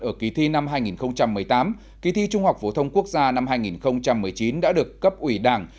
ở kỳ thi năm hai nghìn một mươi tám kỳ thi trung học phổ thông quốc gia năm hai nghìn một mươi chín đã được cấp ủy đảng